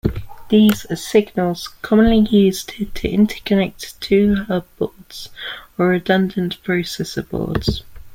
These are signals commonly used to interconnect two hub boards, or redundant processor boards.